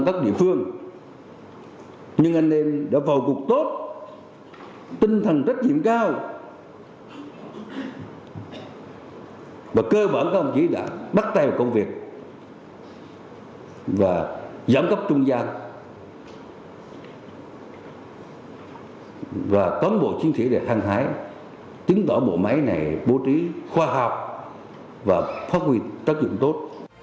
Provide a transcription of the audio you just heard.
các địa phương nhưng anh em đã vào cuộc tốt tinh thần trách nhiệm cao và cơ bản các ông chỉ đã bắt tay vào công việc và giám cấp trung gian và tóm bộ chính trị để hăng hái chứng tỏ bộ máy này bố trí khoa học và phát huy tác dụng tốt